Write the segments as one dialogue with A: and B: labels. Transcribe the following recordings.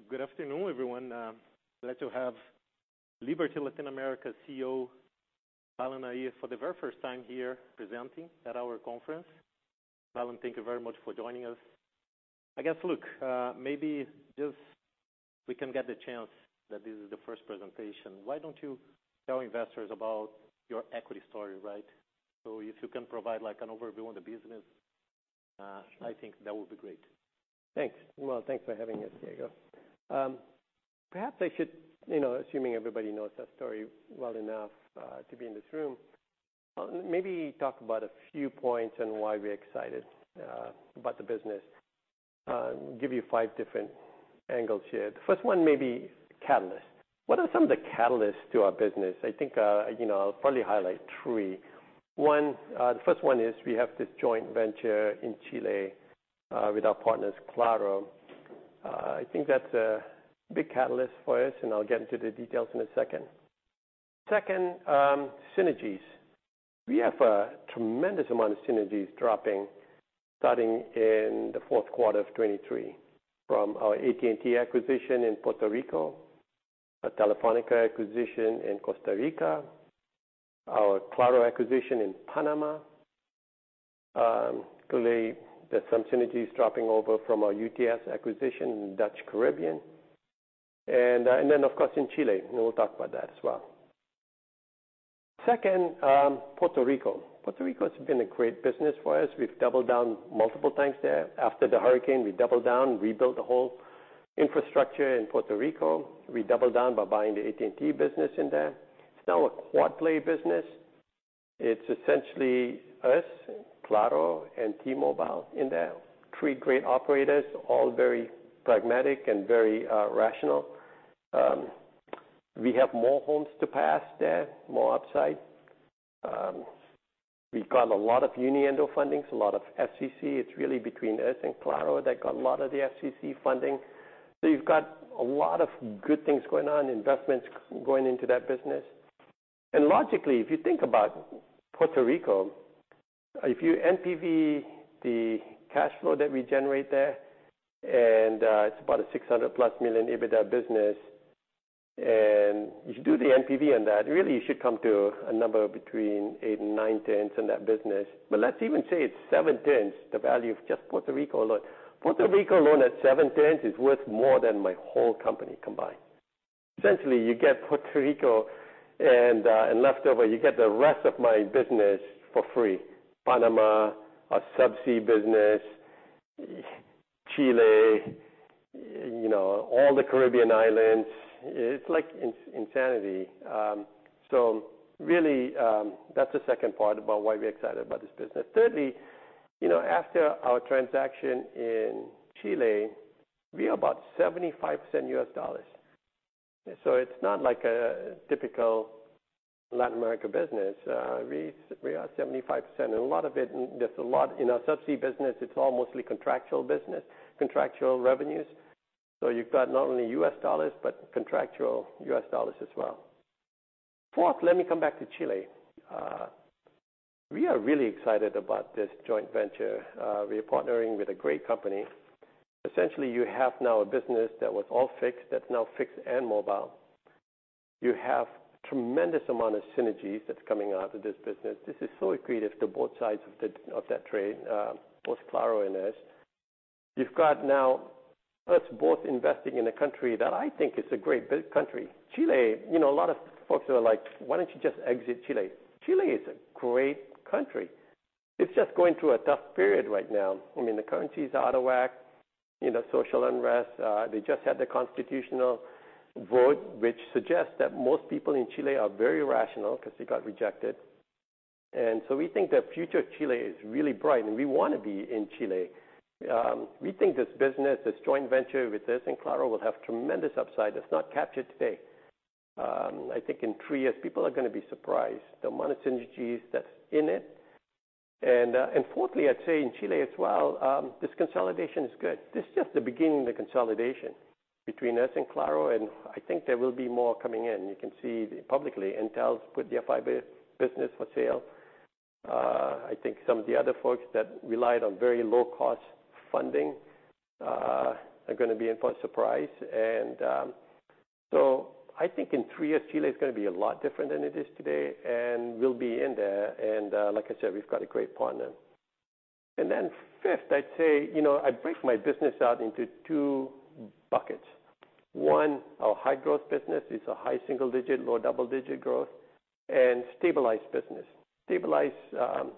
A: Yeah. Good afternoon, everyone. Glad to have Liberty Latin America CEO, Balan Nair, for the very first time here presenting at our conference. Balan, thank you very much for joining us. I guess, look, maybe just we can get the chance that this is the first presentation. Why don't you tell investors about your equity story, right? If you can provide, like, an overview on the business, I think that would be great.
B: Thanks. Well, thanks for having us, Diego. Perhaps I should, you know, assuming everybody knows that story well enough, to be in this room, maybe talk about a few points on why we're excited, about the business. Give you five different angles here. The first one may be catalysts. What are some of the catalysts to our business? I think, you know, I'll probably highlight three. One, the first one is we have this joint venture in Chile, with our partners, Claro. I think that's a big catalyst for us, and I'll get into the details in a second. Second, synergies. We have a tremendous amount of synergies dropping, starting in the fourth quarter of 2023 from our AT&T acquisition in Puerto Rico, a Telefónica acquisition in Costa Rica, our Claro acquisition in Panama. Clearly there's some synergies dropping over from our UTS acquisition in Dutch Caribbean. Of course, in Chile, and we'll talk about that as well. Second, Puerto Rico. Puerto Rico has been a great business for us. We've doubled down multiple times there. After the hurricane, we doubled down, rebuilt the whole infrastructure in Puerto Rico. We doubled down by buying the AT&T business in there. It's now a quad play business. It's essentially us, Claro, and T-Mobile in there. Three great operators, all very pragmatic and very rational. We have more homes to pass there, more upside. We've got a lot of Uniendo fundings, a lot of FCC. It's really between us and Claro that got a lot of the FCC funding. You've got a lot of good things going on, investments going into that business. Logically, if you think about Puerto Rico, if you NPV the cash flow that we generate there, and it's about a $600+ million EBITDA business, and if you do the NPV on that, really you should come to a number between $800 million and $900 million in that business. But let's even say it's $700 million, the value of just Puerto Rico alone. Puerto Rico alone at $700 million is worth more than my whole company combined. Essentially, you get Puerto Rico and leftover, you get the rest of my business for free. Panama, our subsea business, Chile, you know, all the Caribbean islands. It's like insanity. So really, that's the second part about why we're excited about this business. Thirdly, you know, after our transaction in Chile, we are about 75% U.S. dollars. It's not like a typical Latin America business. We are 75%, and a lot of it, there's a lot in our subsea business. It's all mostly contractual business, contractual revenues. You've got not only U.S. dollars, but contractual US dollars as well. Fourth, let me come back to Chile. We are really excited about this joint venture. We are partnering with a great company. Essentially, you have now a business that was all fixed, that's now fixed and mobile. You have tremendous amount of synergies that's coming out of this business. This is so accretive to both sides of that trade, both Claro and us. You've got now us both investing in a country that I think is a great country. Chile, you know, a lot of folks are like, "Why don't you just exit Chile?" Chile is a great country. It's just going through a tough period right now. I mean, the currency is out of whack, you know, social unrest. They just had the constitutional vote, which suggests that most people in Chile are very rational because it got rejected. We think the future of Chile is really bright, and we wanna be in Chile. We think this business, this joint venture with VTR and Claro will have tremendous upside that's not captured today. I think in three years, people are gonna be surprised, the amount of synergies that's in it. Fourthly, I'd say in Chile as well, this consolidation is good. This is just the beginning of the consolidation between us and Claro, and I think there will be more coming in. You can see publicly, Entel's put their fiber business for sale. I think some of the other folks that relied on very low-cost funding are gonna be in for a surprise. I think in three years, Chile is gonna be a lot different than it is today, and we'll be in there. Like I said, we've got a great partner. Fifth, I'd say, you know, I break my business out into two buckets. One, our high-growth business is a high single digit, low double-digit growth, and stabilized business. Stabilized,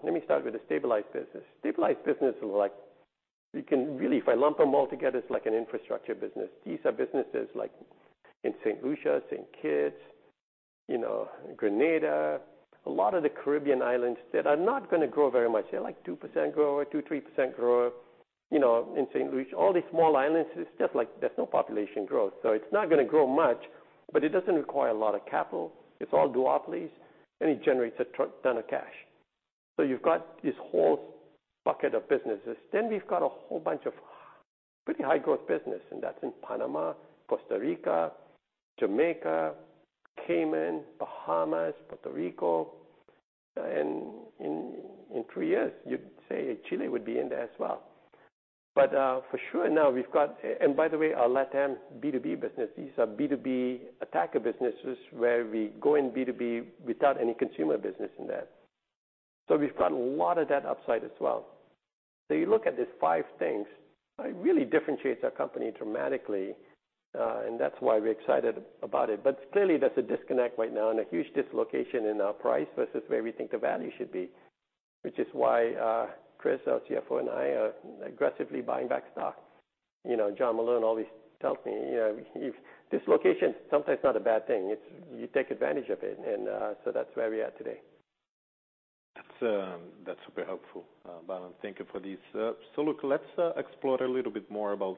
B: let me start with the stabilized business. Stabilized business is like, we can really, if I lump them all together, it's like an infrastructure business. These are businesses like in St. Lucia, St. Kitts, you know, Grenada, a lot of the Caribbean islands that are not gonna grow very much. They're like 2% grower, 2-3% grower. You know, in St. Lucia, all these small islands, it's just like there's no population growth. It's not gonna grow much, but it doesn't require a lot of capital. It's all duopolies, and it generates a ton of cash. You've got this whole bucket of businesses. We've got a whole bunch of pretty high-growth business, and that's in Panama, Costa Rica, Jamaica, Cayman, Bahamas, Puerto Rico. In three years, you'd say Chile would be in there as well. For sure now we've got. By the way, our LatAm B2B business, these are B2B attacker businesses where we go in B2B without any consumer business in that. We've got a lot of that upside as well. You look at these five things, it really differentiates our company dramatically, and that's why we're excited about it. Clearly, there's a disconnect right now and a huge dislocation in our price versus where we think the value should be, which is why, Chris, our CFO, and I are aggressively buying back stock. You know, John Malone always tells me, you know, if dislocation is sometimes not a bad thing. It's, you take advantage of it. That's where we are today.
A: That's super helpful, Balan. Thank you for these. Look, let's explore a little bit more about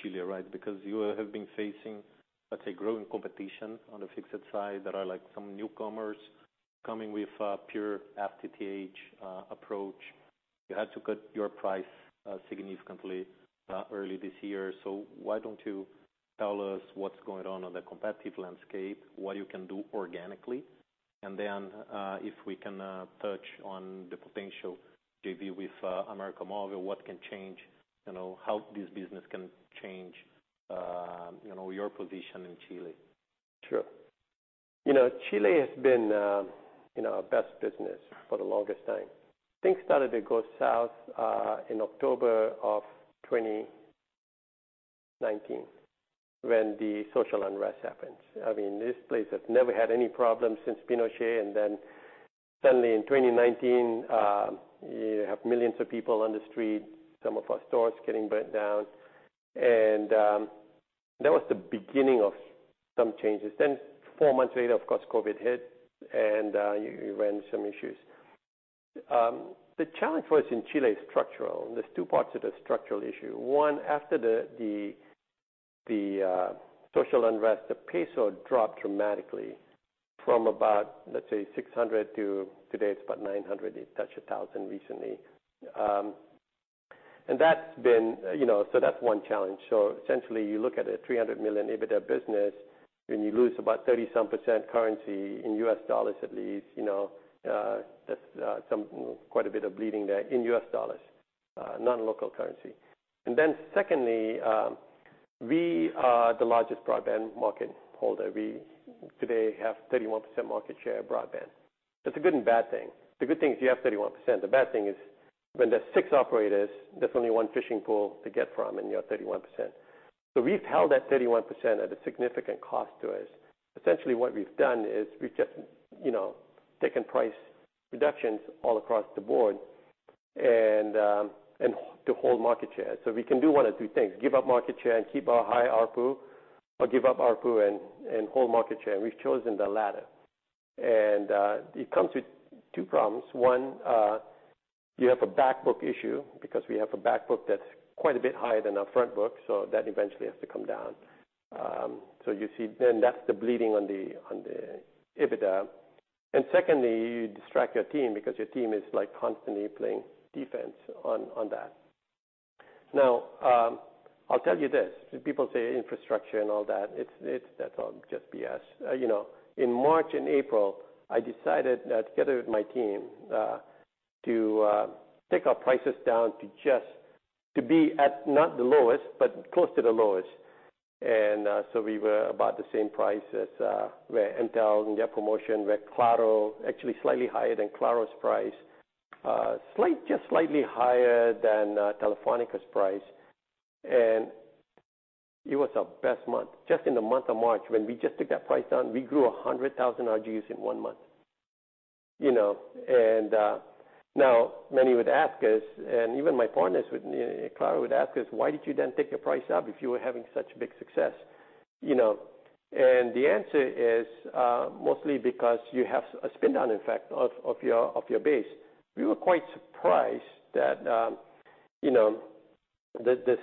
A: Chile, right? Because you have been facing, let's say, growing competition on the fixed side. There are, like, some newcomers coming with a pure FTTH approach. You had to cut your price significantly early this year. Why don't you tell us what's going on in the competitive landscape, what you can do organically, and then, if we can, touch on the potential JV with América Móvil, what can change, you know, how this business can change, you know, your position in Chile.
B: Sure. You know, Chile has been, you know, our best business for the longest time. Things started to go south, in October of 2019 when the social unrest happened. I mean, this place has never had any problems since Pinochet, and then suddenly in 2019, you have millions of people on the street, some of our stores getting burnt down. That was the beginning of some changes. Then four months later, of course, COVID hit, and, you ran into some issues. The challenge for us in Chile is structural, and there's two parts to the structural issue. One, after the social unrest, the peso dropped dramatically from about, let's say, 600 to today it's about 900. It touched 1,000 recently. That's been, you know, so that's one challenge. Essentially, you look at a $300 million EBITDA business, and you lose about 30-some% currency in U.S. dollars at least, that's quite a bit of bleeding there in U.S. dollars, not in local currency. Secondly, we are the largest broadband market holder. We today have 31% market share of broadband. That's a good and bad thing. The good thing is you have 31%. The bad thing is when there's six operators, there's only one fishing pool to get from, and you have 31%. We've held that 31% at a significant cost to us. Essentially, what we've done is we've just taken price reductions all across the board and to hold market share. We can do one of two things, give up market share and keep our high ARPU or give up ARPU and hold market share, and we've chosen the latter. It comes with two problems. One, you have a back book issue because we have a back book that's quite a bit higher than our front book, so that eventually has to come down. You see then that's the bleeding on the EBITDA. Secondly, you distract your team because your team is, like, constantly playing defense on that. Now, I'll tell you this, people say infrastructure and all that, it's all just BS. You know, in March and April, I decided together with my team to take our prices down to just be at not the lowest, but close to the lowest. We were about the same price as where Entel in their promotion, where Claro, actually slightly higher than Claro's price, just slightly higher than Telefónica's price. It was our best month. Just in the month of March, when we just took that price down, we grew 100,000 RGUs in one month. Now many would ask us, and even my partners would, Claro would ask us, "Why did you then take your price up if you were having such big success?" The answer is mostly because you have a spin down effect of your base. We were quite surprised that the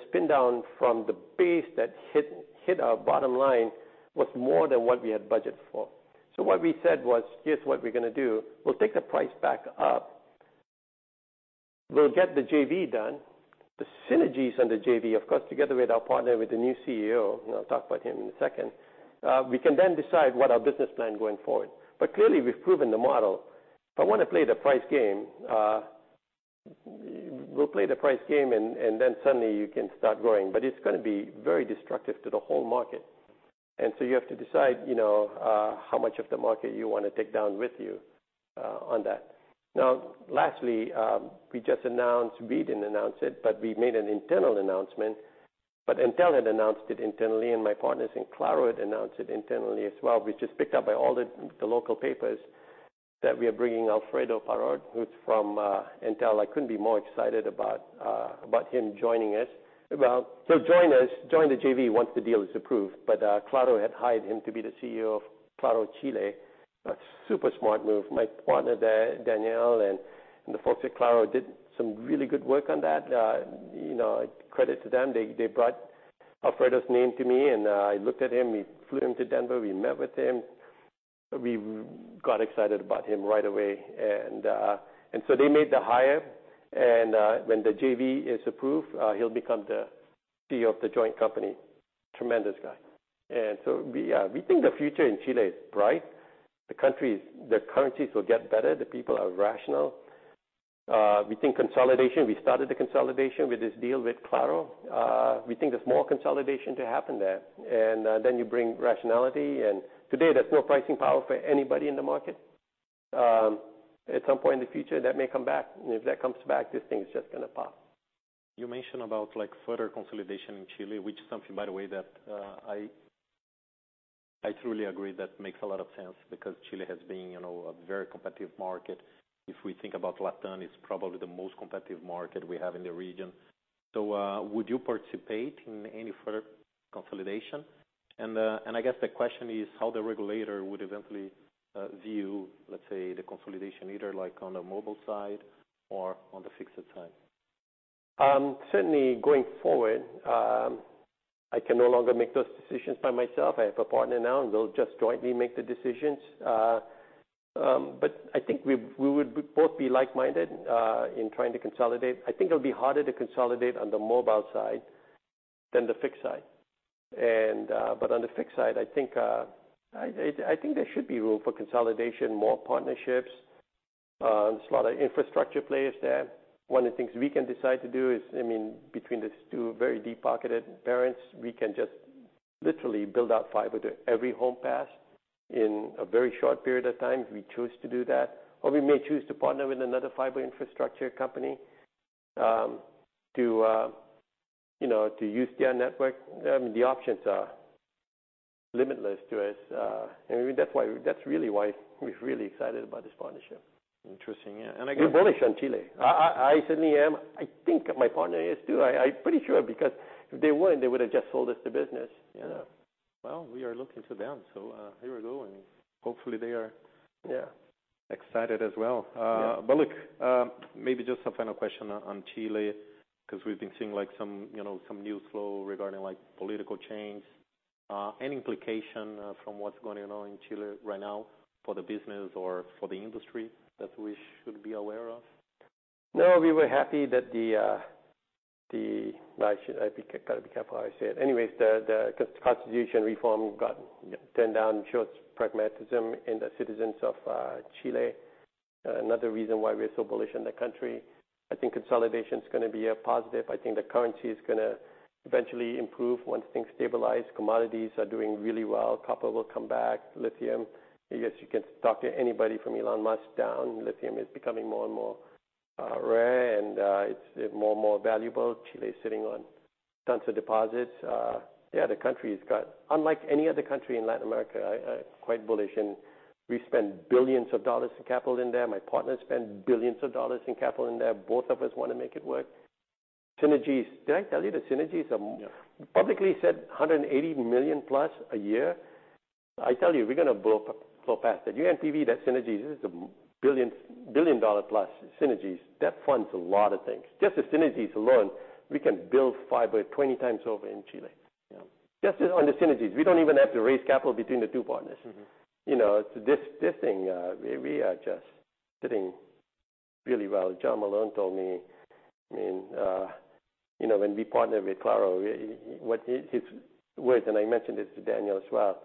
B: spin down from the base that hit our bottom line was more than what we had budgeted for. What we said was, "Here's what we're gonna do. We'll take the price back up. We'll get the JV done." The synergies on the JV, of course, together with our partner, with the new CEO, and I'll talk about him in a second, we can then decide what our business plan going forward. Clearly, we've proven the model. If I wanna play the price game, we'll play the price game and then suddenly you can start growing. It's gonna be very destructive to the whole market. You have to decide, you know, how much of the market you wanna take down with you, on that. Now lastly, we just announced, we didn't announce it, but we made an internal announcement, but Entel had announced it internally, and my partners in Claro had announced it internally as well. We just picked up by all the local papers that we are bringing Alfredo Parot, who's from Entel. I couldn't be more excited about him joining us. Well, he'll join us, the JV once the deal is approved. Claro had hired him to be the CEO of Claro Chile. A super smart move. My partner there, Daniel, and the folks at Claro did some really good work on that. You know, credit to them. They brought Alfredo's name to me, and I looked at him. We flew him to Denver. We met with him. We got excited about him right away. They made the hire. When the JV is approved, he'll become the CEO of the joint company. Tremendous guy. We think the future in Chile is bright. Their currencies will get better. The people are rational. We think consolidation, we started the consolidation with this deal with Claro. We think there's more consolidation to happen there. You bring rationality. Today there's no pricing power for anybody in the market. At some point in the future, that may come back. If that comes back, this thing is just gonna pop.
A: You mentioned about like further consolidation in Chile, which is something by the way that I truly agree that makes a lot of sense because Chile has been, you know, a very competitive market. If we think about Latin, it's probably the most competitive market we have in the region. Would you participate in any further consolidation? I guess the question is how the regulator would eventually view, let's say, the consolidation, either like on the mobile side or on the fixed side.
B: Certainly going forward, I can no longer make those decisions by myself. I have a partner now, and we'll just jointly make the decisions. But I think we would both be like-minded in trying to consolidate. I think it'll be harder to consolidate on the mobile side than the fixed side. On the fixed side, I think there should be room for consolidation, more partnerships. There's a lot of infrastructure players there. One of the things we can decide to do is, I mean, between these two very deep-pocketed parents, we can just literally build out fiber to every home pass in a very short period of time if we choose to do that. Or we may choose to partner with another fiber infrastructure company, you know, to use their network. I mean, the options are limitless to us. I mean, that's really why we're really excited about this partnership.
A: Interesting. Yeah.
B: We're bullish on Chile. I certainly am. I think my partner is too. I'm pretty sure because if they weren't, they would've just sold us the business.
A: Yeah. Well, we are looking to them. Here we go. Hopefully they are.
B: Yeah.
A: Excited as well.
B: Yeah.
A: Look, maybe just some final question on Chile, 'cause we've been seeing like some, you know, some news flow regarding like political change. Any implication from what's going on in Chile right now for the business or for the industry that we should be aware of?
B: No, we were happy that, I gotta be careful how I say it, the constitution reform got turned down. It shows pragmatism in the citizens of Chile. Another reason why we're so bullish on the country. I think consolidation's gonna be a positive. I think the currency is gonna eventually improve once things stabilize. Commodities are doing really well. Copper will come back. Lithium, I guess you can talk to anybody from Elon Musk down, lithium is becoming more and more rare and it's more and more valuable. Chile is sitting on tons of deposits. The country's got unlike any other country in Latin America, I'm quite bullish. We spend $ billions in capital in there. My partner spend $ billions in capital in there. Both of us wanna make it work. Synergies. Did I tell you the synergies are.
A: Yeah.
B: Publicly said $180 million plus a year. I tell you, we're gonna blow past that. You NPV that synergies, this is a $1 billion dollar plus synergies. That funds a lot of things. Just the synergies alone, we can build fiber 20x over in Chile.
A: Yeah.
B: Just on the synergies. We don't even have to raise capital between the two partners.
A: Mm-hmm.
B: You know, this thing, we are just sitting really well. John Malone told me, I mean, you know, when we partnered with Claro, what his words, and I mentioned this to Daniel as well,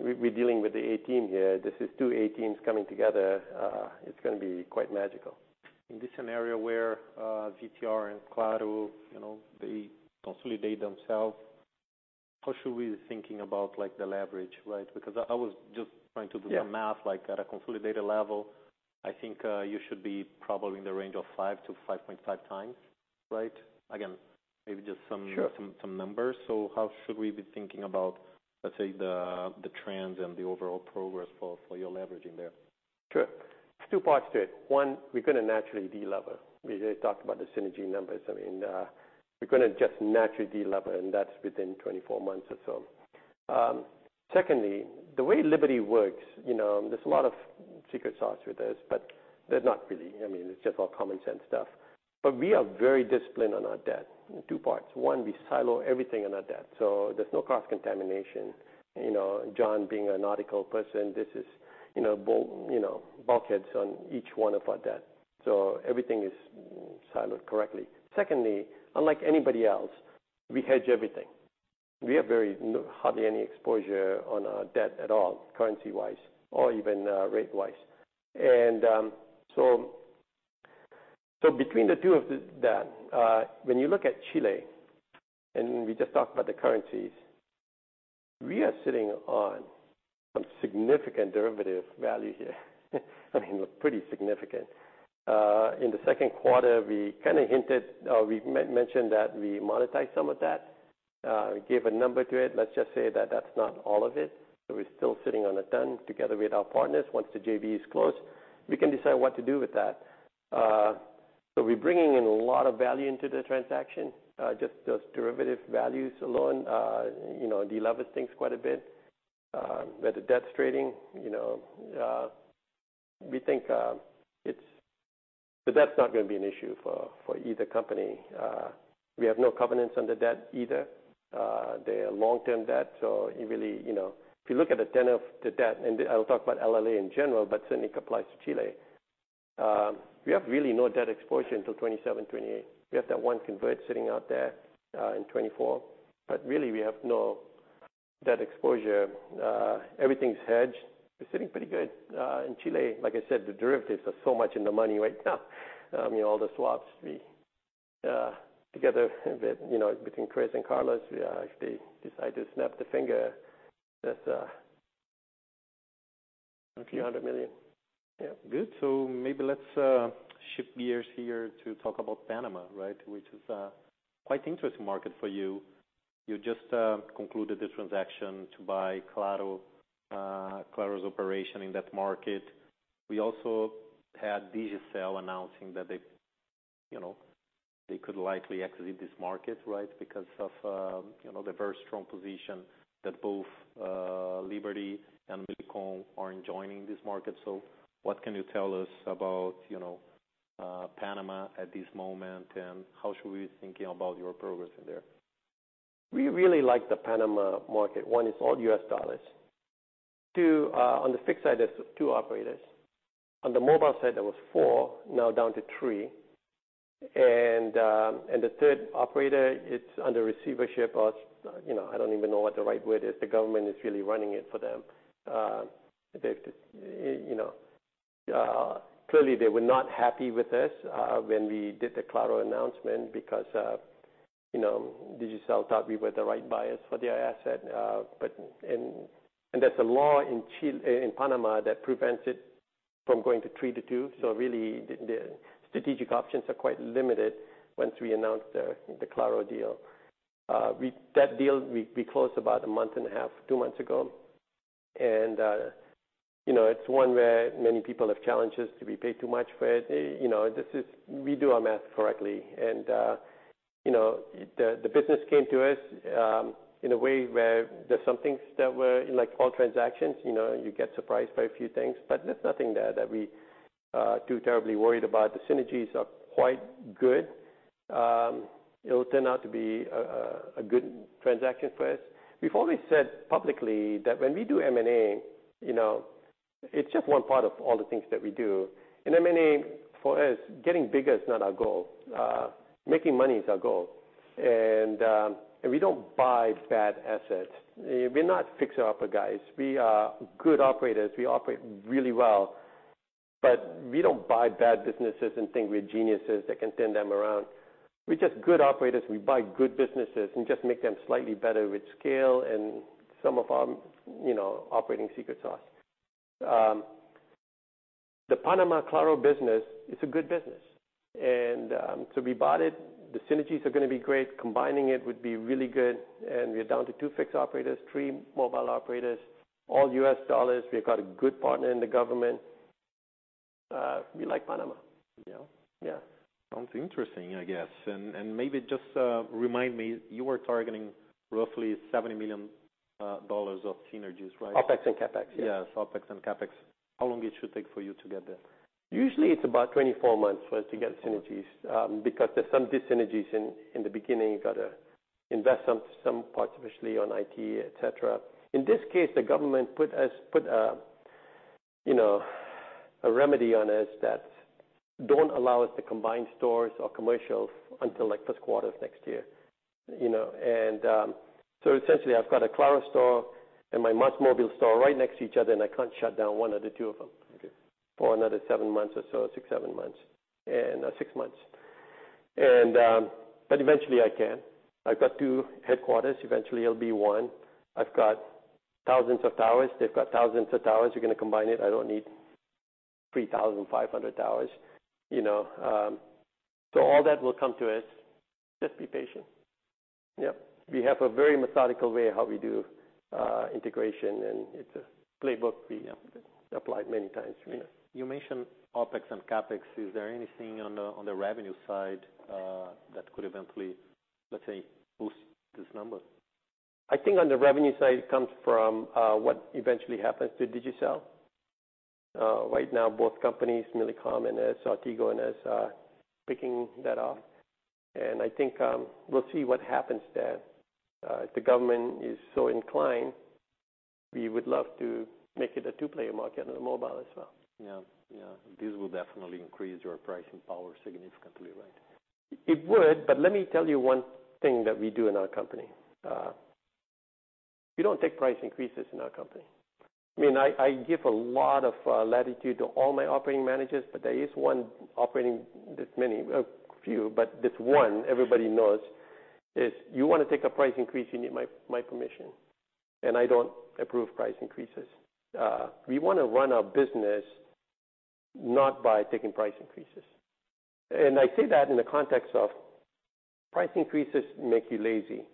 B: we're dealing with the A team here. This is two A teams coming together. It's gonna be quite magical.
A: In this scenario where VTR and Claro, you know, they consolidate themselves, how should we be thinking about like the leverage, right? Because I was just trying to do.
B: Yeah.
A: Some math, like at a consolidated level. I think you should be probably in the range of 5x-5.5x, right?
B: Sure.
A: How should we be thinking about, let's say, the trends and the overall progress for your leveraging there?
B: Sure. There's two parts to it. One, we're gonna naturally delever. We already talked about the synergy numbers. I mean, we're gonna just naturally delever, and that's within 24 months or so. Secondly, the way Liberty works, you know, there's a lot of secret sauce with this, but there's not really. I mean, it's just all common sense stuff. But we are very disciplined on our debt. Two parts. One, we silo everything on our debt, so there's no cross-contamination. You know, John being a nautical person, this is, you know, bow, you know, bulkheads on each one of our debt. So everything is siloed correctly. Secondly, unlike anybody else, we hedge everything. We have very, hardly any exposure on our debt at all, currency-wise or even, rate-wise. Between the two of that when you look at Chile, and we just talked about the currencies, we are sitting on some significant derivative value here. I mean, pretty significant. In the second quarter, we kinda hinted or we mentioned that we monetized some of that, gave a number to it. Let's just say that that's not all of it. We're still sitting on a ton together with our partners. Once the JV is closed, we can decide what to do with that. We're bringing in a lot of value into the transaction. Just those derivative values alone, you know, delevers things quite a bit. Where the debt's trading, you know, we think, it's the debt's not gonna be an issue for either company. We have no covenants on the debt either. They are long-term debt, so it really, you know, if you look at the tenor of the debt, and I'll talk about LLA in general, but certainly applies to Chile. We have really no debt exposure until 2027, 2028. We have that one convert sitting out there, in 2024. Really, we have no debt exposure. Everything's hedged. We're sitting pretty good. In Chile, like I said, the derivatives are so much in the money right now. I mean, all the swaps we together with, you know, between Chris and Carlos, we are if they decide to snap their finger, that's $a few hundred million.
A: Yeah. Good. Maybe let's shift gears here to talk about Panama, right? Which is a quite interesting market for you. You just concluded the transaction to buy Claro's operation in that market. We also had Digicel announcing that they, you know, could likely exit this market, right? Because of the very strong position that both Liberty and Millicom are enjoying in this market. What can you tell us about, you know, Panama at this moment, and how should we be thinking about your progress in there?
B: We really like the Panama market. One, it's all U.S. dollars. Two, on the fixed side, there's two operators. On the mobile side, there was four, now down to three. The third operator is under receivership or, you know, I don't even know what the right word is. The government is really running it for them. They've, you know, clearly, they were not happy with this when we did the Claro announcement because, you know, Digicel thought we were the right buyers for their asset. And there's a law in Panama that prevents it from going to three to two. Really, the strategic options are quite limited once we announced the Claro deal. That deal, we closed about a month and a half, two months ago. You know, it's one where many people have challenged us, did we pay too much for it? You know, we do our math correctly and, you know, the business came to us in a way where there's some things that were in like all transactions, you know, you get surprised by a few things. But there's nothing there that we are too terribly worried about. The synergies are quite good. It'll turn out to be a good transaction for us. We've always said publicly that when we do M&A, you know, it's just one part of all the things that we do. In M&A, for us, getting bigger is not our goal. Making money is our goal. We don't buy bad assets. We're not fixer-upper guys. We are good operators. We operate really well. We don't buy bad businesses and think we're geniuses that can turn them around. We're just good operators. We buy good businesses and just make them slightly better with scale and some of our, you know, operating secret sauce. The Claro Panama business is a good business. We bought it. The synergies are gonna be great. Combining it would be really good. We are down to two fixed operators, three mobile operators, all U.S. dollars. We've got a good partner in the government. We like Panama.
A: Yeah.
B: Yeah.
A: Sounds interesting, I guess. Maybe just remind me, you were targeting roughly $70 million of synergies, right?
B: OpEx and CapEx, yes.
A: Yes, OpEx and CapEx. How long it should take for you to get there?
B: Usually, it's about 24 months for us to get synergies. Because there's some dis-synergies in the beginning. You've got to invest on some parts, especially on IT, et cetera. In this case, the government put a, you know, a remedy on us that don't allow us to combine stores or commercials until like first quarter of next year. You know, so essentially, I've got a Claro store and my Más Móvil store right next to each other, and I can't shut down one or the two of them.
A: Okay.
B: For another seven months or so, six to seven months. But eventually I can. I've got two headquarters. Eventually, it'll be one. I've got thousands of towers. They've got thousands of towers. We're gonna combine it. I don't need 3,500 towers, you know. So all that will come to us. Just be patient.
A: Yep.
B: We have a very methodical way of how we do integration, and it's a playbook we applied many times, you know.
A: You mentioned OpEx and CapEx. Is there anything on the revenue side that could eventually, let's say, boost these numbers?
B: I think on the revenue side, it comes from what eventually happens to Digicel. Right now, both companies, Millicom and us, Tigo and us, are picking that up. I think we'll see what happens there. If the government is so inclined, we would love to make it a two-player market on the mobile as well.
A: Yeah. Yeah. This will definitely increase your pricing power significantly, right?
B: It would. Let me tell you one thing that we do in our company. I mean, I give a lot of latitude to all my operating managers, but there is one operating a few, but this one everybody knows. If you wanna take a price increase, you need my permission, and I don't approve price increases. We wanna run our business not by taking price increases. I say that in the context of price increases make you lazy.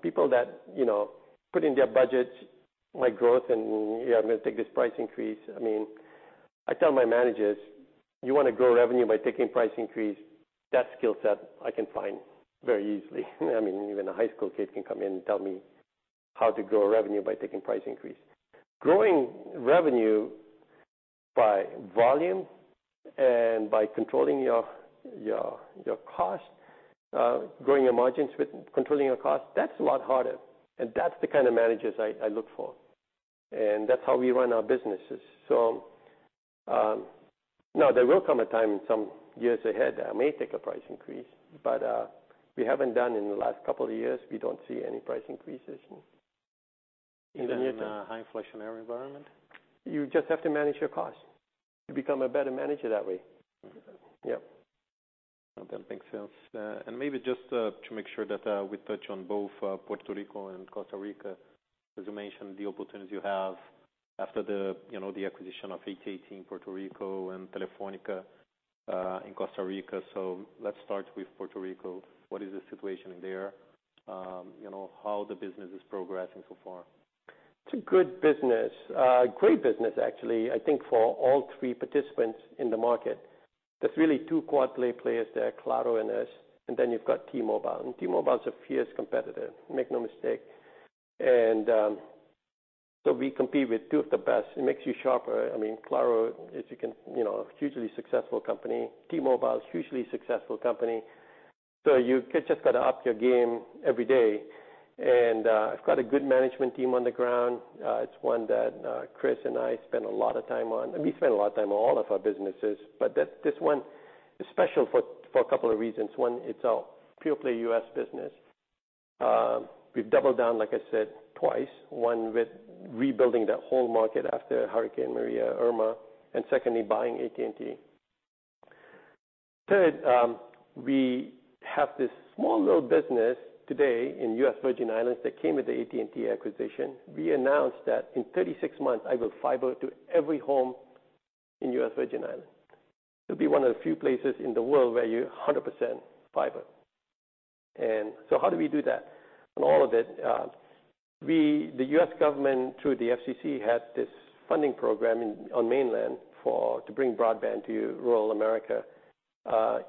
B: People that, you know, put in their budgets, my growth and yeah, I'm gonna take this price increase. I mean, I tell my managers, "You wanna grow revenue by taking price increase, that skill set I can find very easily." I mean, even a high school kid can come in and tell me how to grow revenue by taking price increase. Growing revenue by volume and by controlling your costs, growing your margins by controlling your cost, that's a lot harder, and that's the kind of managers I look for, and that's how we run our businesses. No, there will come a time in some years ahead that I may take a price increase, but we haven't done in the last couple of years. We don't see any price increases in the near term.
A: Even in a high inflationary environment?
B: You just have to manage your costs. You become a better manager that way.
A: Mm-hmm.
B: Yep.
A: I don't think so. Maybe just to make sure that we touch on both Puerto Rico and Costa Rica. As you mentioned, the opportunities you have after the acquisition of AT&T in Puerto Rico and Telefónica in Costa Rica. Let's start with Puerto Rico. What is the situation there? How the business is progressing so far?
B: It's a good business. Great business actually, I think for all three participants in the market. There's really two quad play players there, Claro and us, and then you've got T-Mobile. T-Mobile's a fierce competitor, make no mistake. We compete with two of the best. It makes you sharper. I mean, Claro is a you know, a hugely successful company. T-Mobile is a hugely successful company. You just gotta up your game every day. I've got a good management team on the ground. It's one that Chris and I spend a lot of time on. I mean, we spend a lot of time on all of our businesses, but this one is special for a couple of reasons. One, it's a pure play U.S. business. We've doubled down, like I said, twice. One, with rebuilding the whole market after Hurricane Maria, Irma, and secondly, buying AT&T. Third, we have this small little business today in U.S. Virgin Islands that came with the AT&T acquisition. We announced that in 36 months, I will fiber to every home in U.S. Virgin Islands. It'll be one of the few places in the world where you're 100% fiber. How do we do that on all of it? We, the U.S government, through the FCC, has this funding program on mainland to bring broadband to rural America.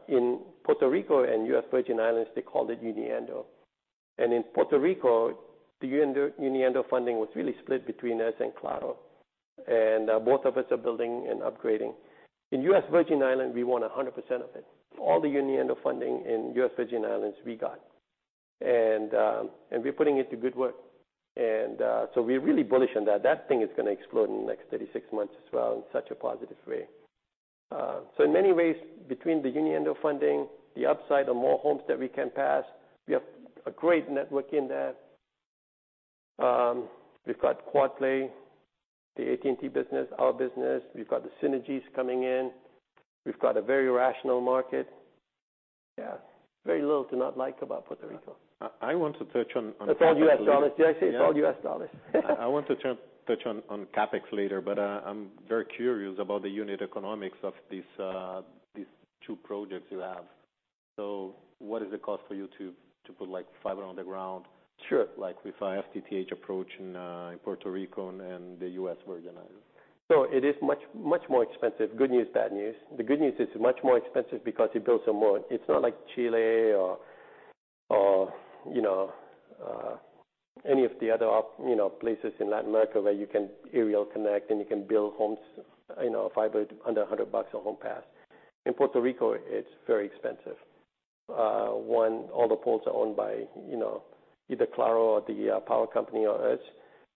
B: In Puerto Rico and U.S. Virgin Islands, they called it Uniendo. In Puerto Rico, the Uniendo funding was really split between us and Claro, and both of us are building and upgrading. In U.S. Virgin Islands, we won 100% of it. All the Uniendo funding in U.S. Virgin Islands, we got. We're putting it to good work. We're really bullish on that. That thing is gonna explode in the next 36 months as well in such a positive way. In many ways, between the Uniendo funding, the upside of more homes that we can pass, we have a great network in there. We've got quad play, the AT&T business, our business. We've got the synergies coming in. We've got a very rational market. Yeah, very little to not like about Puerto Rico.
A: I want to touch on CapEx later.
B: It's all US dollars. Did I say it's all U.S. dollars?
A: I want to touch on CapEx later, but I'm very curious about the unit economics of these two projects you have. What is the cost for you to put like fiber on the ground.
B: Sure.
A: Like with a FTTH approach in Puerto Rico and the US Virgin Islands?
B: It is much, much more expensive. Good news, bad news. The good news is it's much more expensive because you build some more. It's not like Chile, you know, any of the other places in Latin America where you can aerial connect and you can build homes, you know, fiber under 100 bucks a home pass. In Puerto Rico, it's very expensive. All the poles are owned by, you know, either Claro or the power company or us,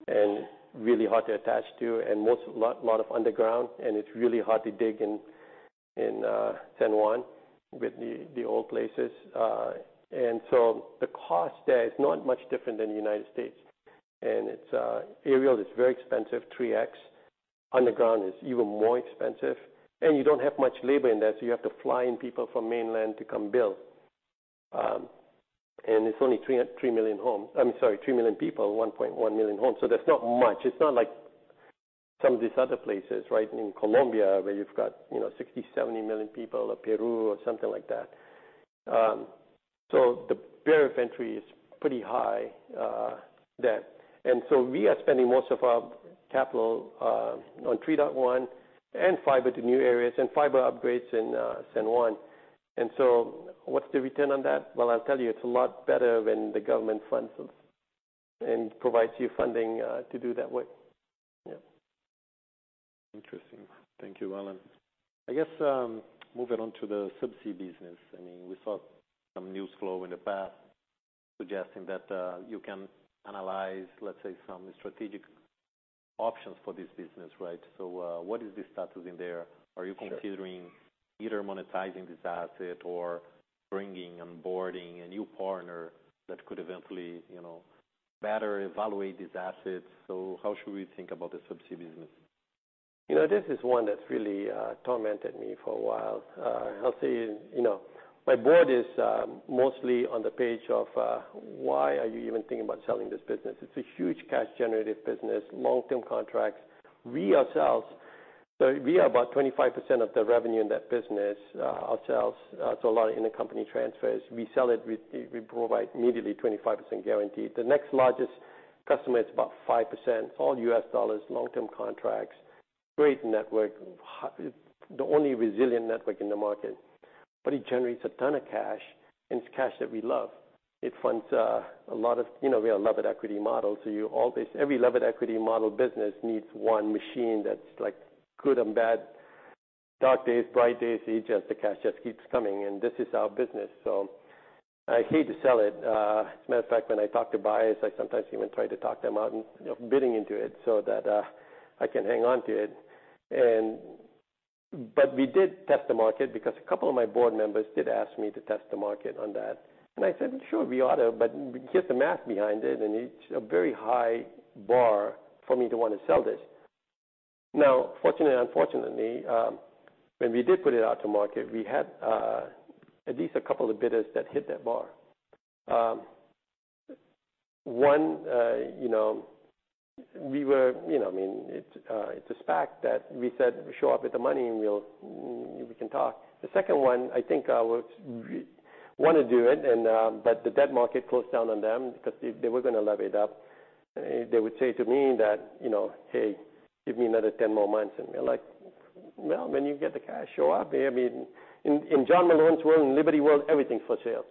B: and really hard to attach to, and a lot of underground, and it's really hard to dig in San Juan with the old places. The cost there is not much different than United States. It's aerial is very expensive, 3x. Underground is even more expensive. You don't have much labor in there, so you have to fly in people from mainland to come build. It's only 3 million people, 1.1 million homes, so there's not much. It's not like some of these other places, right? In Colombia, where you've got, you know, 60, 70 million people, or Peru or something like that. The barrier of entry is pretty high, there. We are spending most of our capital on 3.1 and fiber to new areas and fiber upgrades in San Juan. What's the return on that? Well, I'll tell you, it's a lot better when the government funds and provides you funding to do that work. Yeah.
A: Interesting. Thank you, Balan. I guess, moving on to the Subsea business. I mean, we saw some news flow in the past suggesting that, you can analyze, let's say, some strategic options for this business, right? What is the status in there?
B: Sure.
A: Are you considering either monetizing this asset or bringing on board a new partner that could eventually, you know, better evaluate these assets? How should we think about the Subsea business?
B: You know, this is one that's really tormented me for a while. I'll say, you know, my board is mostly on the page of why are you even thinking about selling this business? It's a huge cash generative business, long-term contracts. We ourselves, so we are about 25% of the revenue in that business, ourselves. So a lot of intercompany transfers. We sell it, we provide immediately 25% guarantee. The next largest customer is about 5%, all U.S. dollars, long-term contracts, great network. The only resilient network in the market. But it generates a ton of cash, and it's cash that we love. It funds a lot of. You know, we are a levered equity model, so you always every levered equity model business needs one machine that's like good and bad, dark days, bright days, it just the cash just keeps coming, and this is our business. So I hate to sell it. As a matter of fact, when I talk to buyers, I sometimes even try to talk them out of bidding into it so that I can hang on to it. We did test the market because a couple of my board members did ask me to test the market on that. I said, "Sure, we ought to." Just the math behind it, and it's a very high bar for me to want to sell this. Now, fortunately or unfortunately, when we did put it out to market, we had at least a couple of bidders that hit that bar. One, you know, I mean, it's a SPAC that we said show up with the money, and we'll, we can talk. The second one, I think, would want to do it and, but the debt market closed down on them because they were gonna lever it up. They would say to me that, you know, "Hey, give me another 10 more months." We're like, "Well, when you get the cash, show up." I mean, in John Malone's world, in Liberty world, everything's for sale.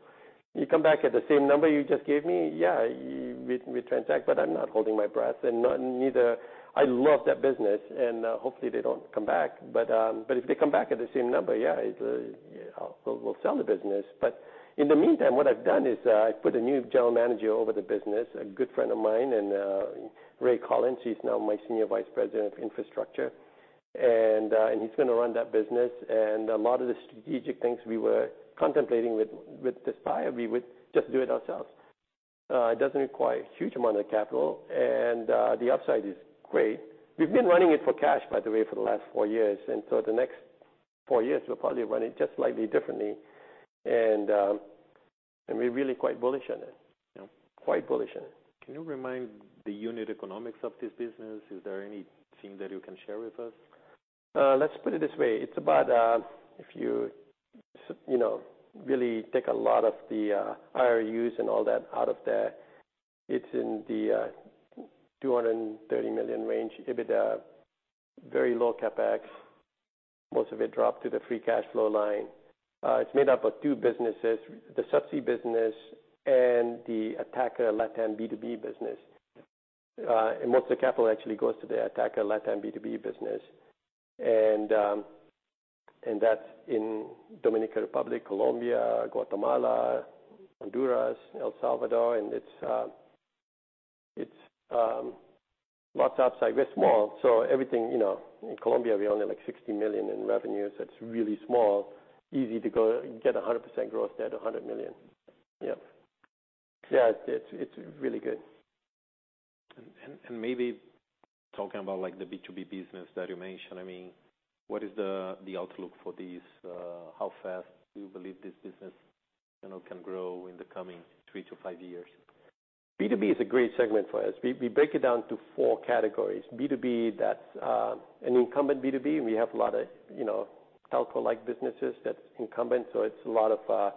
B: You come back at the same number you just gave me, yeah, we transact, but I'm not holding my breath and not neither. I love that business, and hopefully, they don't come back. If they come back at the same number, yeah, we'll sell the business. In the meantime, what I've done is I've put a new general manager over the business, a good friend of mine, and Ray Collins, he's now my Senior Vice President of Infrastructure. He's gonna run that business. A lot of the strategic things we were contemplating with this buyer, we would just do it ourselves. It doesn't require a huge amount of capital, and the upside is great. We've been running it for cash, by the way, for the last four years. The next four years, we'll probably run it just slightly differently. We're really quite bullish on it. You know? Quite bullish on it.
A: Can you remind the unit economics of this business? Is there anything that you can share with us?
B: Let's put it this way. It's about, if you know, really take a lot of the IRUs and all that out of there, it's in the $230 million range EBITDA, very low CapEx. Most of it dropped to the free cash flow line. It's made up of two businesses, the subsea business and the AT&T LatAm B2B business. Most of the capital actually goes to the AT&T LatAm B2B business. That's in Dominican Republic, Colombia, Guatemala, Honduras, El Salvador, and it's lots of upside. We're small, so everything, you know, in Colombia, we own it, like, $60 million in revenue, so it's really small. Easy to go get 100% growth there to $100 million. Yep. Yeah, it's really good.
A: Maybe talking about, like, the B2B business that you mentioned, I mean, what is the outlook for these? How fast do you believe this business, you know, can grow in the coming three to five years?
B: B2B is a great segment for us. We break it down to four categories. B2B, that's an incumbent B2B. We have a lot of, you know, telco-like businesses that's incumbent, so it's a lot of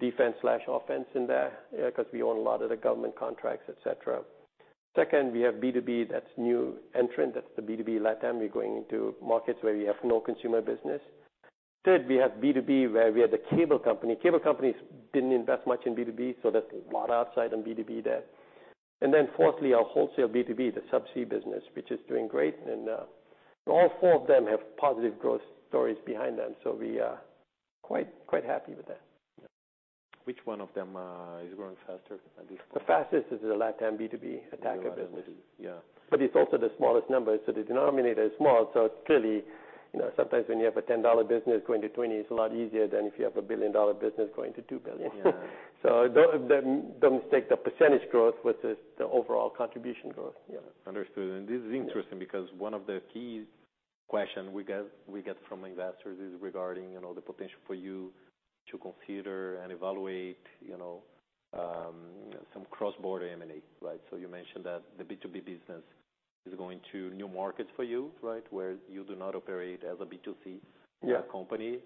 B: defense/offense in there, 'cause we own a lot of the government contracts, et cetera. Second, we have B2B that's new entrant. That's the B2B LatAm. We're going into markets where we have no consumer business. Third, we have B2B where we have the cable company. Cable companies didn't invest much in B2B, so there's a lot of upside on B2B there. Then fourthly, our wholesale B2B, the subsea business, which is doing great. All four of them have positive growth stories behind them, so we are quite happy with that.
A: Which one of them is growing faster at this point?
B: The fastest is the LatAm B2B Attacker business.
A: LatAm B2B. Yeah.
B: It's also the smallest number, so the denominator is small, so it's clearly, you know, sometimes when you have a 10-dollar business going to 20 is a lot easier than if you have a billion-dollar business going to 2 billion.
A: Yeah.
B: Don't mistake the percentage growth with the overall contribution growth. Yeah.
A: Understood. This is interesting because one of the key question we get from investors is regarding, you know, the potential for you to consider and evaluate, you know, some cross-border M&A, right? So you mentioned that the B2B business is going to new markets for you, right, where you do not operate as a B2C.
B: Yeah.
A: Or a company.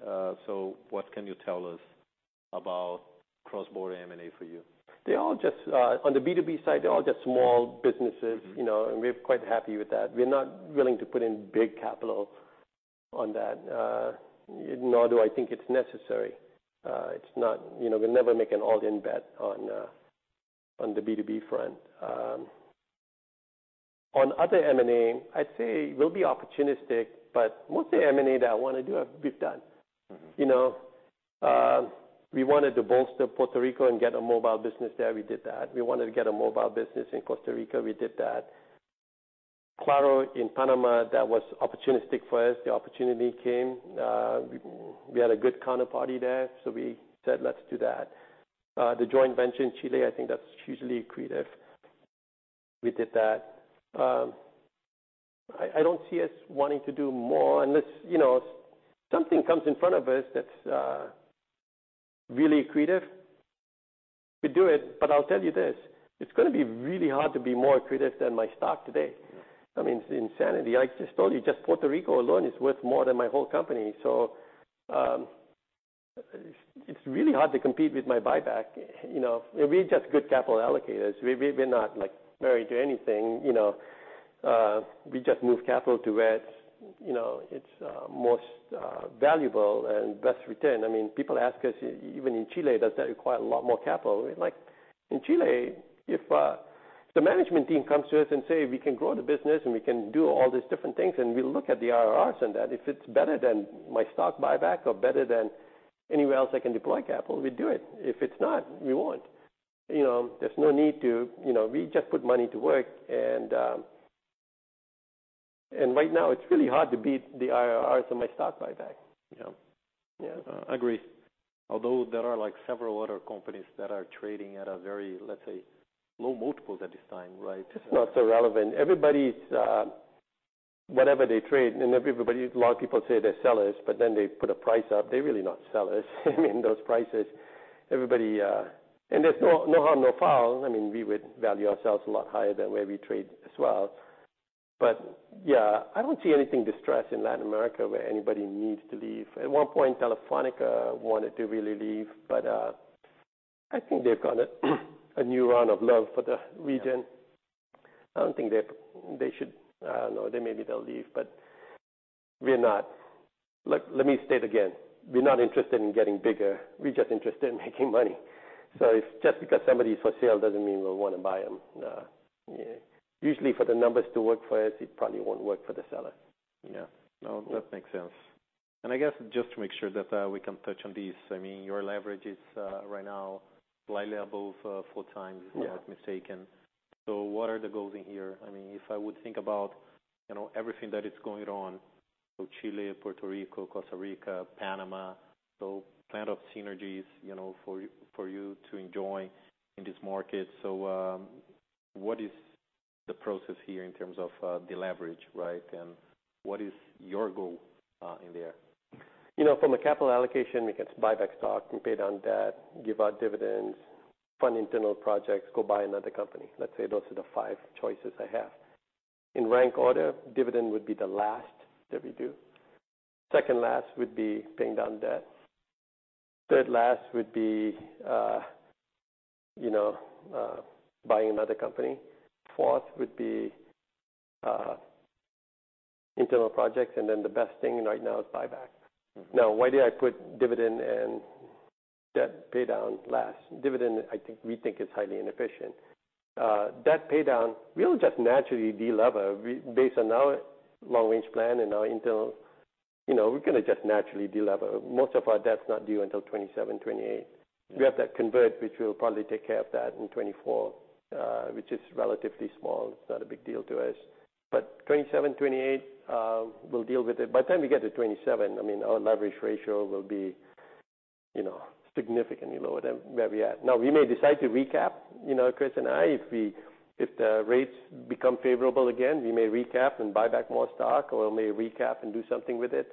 A: What can you tell us about cross-border M&A for you?
B: They're all just, on the B2B side, they're all just small businesses.
A: Mm-hmm.
B: You know, we're quite happy with that. We're not willing to put in big capital on that, nor do I think it's necessary. It's not, you know, we'll never make an all-in bet on the B2B front. On other M&A, I'd say we'll be opportunistic, but most of the M&A that I wanna do, we've done.
A: Mm-hmm.
B: You know, we wanted to bolster Puerto Rico and get a mobile business there. We did that. We wanted to get a mobile business in Costa Rica. We did that. Claro in Panama, that was opportunistic for us. The opportunity came. We had a good counterparty there, so we said, "Let's do that." The joint venture in Chile, I think that's hugely accretive. We did that. I don't see us wanting to do more unless, you know, something comes in front of us that's really accretive, we do it. I'll tell you this, it's gonna be really hard to be more accretive than my stock today.
A: Yeah.
B: I mean, it's insanity. I just told you, just Puerto Rico alone is worth more than my whole company. It's really hard to compete with my buyback. You know, we're just good capital allocators. We're not, like, married to anything, you know. We just move capital to where, you know, it's most valuable and best return. I mean, people ask us, even in Chile, does that require a lot more capital? We're like, in Chile, if the management team comes to us and say, "We can grow the business, and we can do all these different things," and we look at the IRRs on that, if it's better than my stock buyback or better than anywhere else I can deploy capital, we do it. If it's not, we won't. You know, there's no need to. You know, we just put money to work and right now, it's really hard to beat the IRRs on my stock buyback, you know?
A: Yeah. I agree. Although there are like several other companies that are trading at a very, let's say, low multiples at this time, right?
B: It's not so relevant. Everybody's whatever they trade, and everybody a lot of people say they're sellers, but then they put a price up. They're really not sellers. I mean, those prices, everybody. There's no harm, no foul. I mean, we would value ourselves a lot higher than where we trade as well. Yeah. I don't see anything distressed in Latin America where anybody needs to leave. At one point, Telefónica wanted to really leave, but I think they've got a new round of love for the region. I don't think they maybe they'll leave, but we're not. Let me state again, we're not interested in getting bigger. We're just interested in making money. If just because somebody's for sale doesn't mean we'll wanna buy them. No. Yeah. Usually, for the numbers to work for us, it probably won't work for the seller.
A: Yeah. No, that makes sense. I guess, just to make sure that we can touch on these, I mean, your leverage is right now slightly above 4x.
B: Yeah.
A: If I'm not mistaken. What are the goals in here? I mean, if I would think about, you know, everything that is going on, Chile, Puerto Rico, Costa Rica, Panama, plenty of synergies, you know, for you to enjoy in this market. What is the process here in terms of the leverage, right? What is your goal in there?
B: You know, from a capital allocation, we can buy back stock and pay down debt, give out dividends, fund internal projects, go buy another company. Let's say those are the five choices I have. In rank order, dividend would be the last that we do. Second last would be paying down debt. Third last would be buying another company. Fourth would be internal projects, and then the best thing right now is buyback. Now, why did I put dividend and debt paydown last? Dividend, I think, we think is highly inefficient. Debt paydown, we'll just naturally de-lever based on our long-range plan and our intel, you know, we're gonna just naturally de-lever. Most of our debt's not due until 2027, 2028. We have that convertible, which we'll probably take care of in 2024, which is relatively small. It's not a big deal to us. 2027, 2028, we'll deal with it. By the time we get to 2027, I mean, our leverage ratio will be, you know, significantly lower than where we're at. Now, we may decide to recap, you know, Chris and I, if we, if the rates become favorable again, we may recap and buy back more stock, or we may recap and do something with it.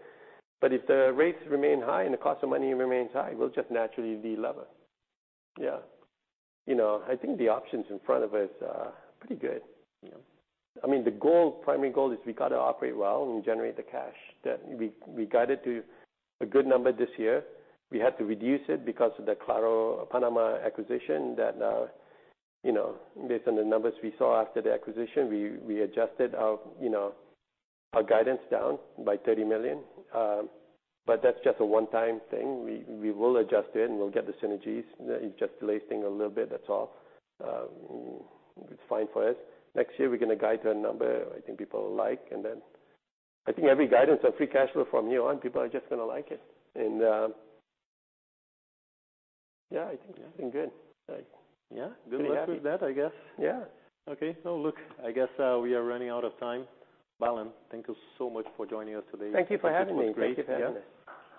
B: If the rates remain high and the cost of money remains high, we'll just naturally de-lever.
A: Yeah.
B: You know, I think the options in front of us are pretty good.
A: Yeah.
B: I mean, the goal, primary goal is we gotta operate well and generate the cash. We got it to a good number this year. We had to reduce it because of the Claro Panama acquisition that, you know, based on the numbers we saw after the acquisition, we adjusted our, you know, our guidance down by $30 million. That's just a one-time thing. We will adjust it, and we'll get the synergies. It's just lasting a little bit, that's all. It's fine for us. Next year, we're gonna guide to a number I think people will like, and then I think every guidance on free cash flow from here on, people are just gonna like it. Yeah, I think it's been good.
A: Yeah.
B: Pretty happy.
A: Good to hear that, I guess.
B: Yeah.
A: Okay. Look, I guess, we are running out of time. Balan, thank you so much for joining us today.
B: Thank you for having me.
A: This was great.
B: Thank you for having us.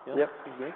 A: Yeah.
B: Yep.
A: Great.